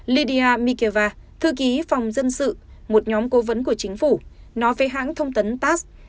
lidia mikeva thư ký phòng dân sự một nhóm cố vấn của chính phủ nói với hãng thông tấn tass